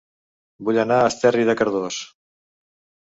Vull anar a Esterri de Cardós